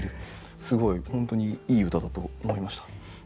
すごい本当にいい歌だと思いました。